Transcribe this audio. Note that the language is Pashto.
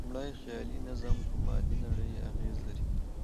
لومړی، خیالي نظم په مادي نړۍ اغېز لري.